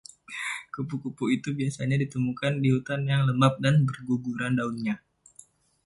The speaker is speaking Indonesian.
Kupu-kupu itu biasanya ditemukan di hutan yang lembap dan berguguran daunnya.